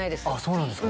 そうなんです